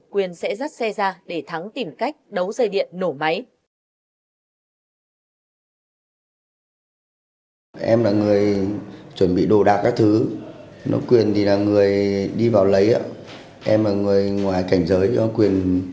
quyền sẽ dắt xe ra để thắng tìm cách đấu dây điện nổ máy